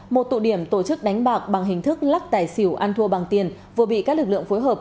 một tụ điểm tổ chức đánh bạc bằng hình thức lắc tài xỉu ăn thua bằng tiền vừa bị các lực lượng phối hợp